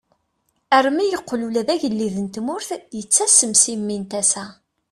Armi yeqqel ula d agellid n tmurt yettasem si mmi n tasa-s.